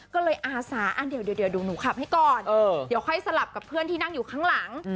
ก็เลยอาสาเดี๋ยวหนูขับให้ก่อนเดี๋ยวค่อยสลับกับเพื่อนที่นั่งอยู่ข้างหลัง